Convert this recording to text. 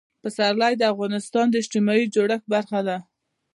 پسرلی د افغانستان د اجتماعي جوړښت برخه ده.